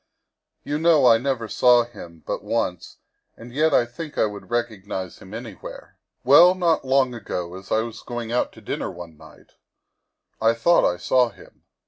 You know 1 never saw him but once, and yet I think I would recog nize him anywhere. Well, not long ago, as I was going out to dinner one night, 1 thought I saw him.